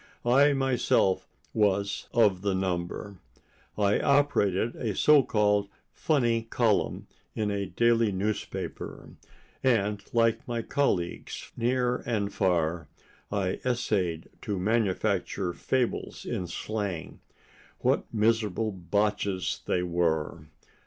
I myself was of the number. I operated a so called funny column in a daily newspaper, and like my colleagues near and far, I essayed to manufacture fables in slang. What miserable botches they were!